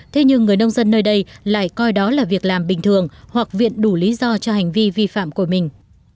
thế nhưng người nông dân nơi đây lại coi đó là việc làm bình thường hoặc viện đủ lý do cho hành vi vi phạm của mình